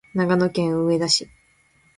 長野県上田市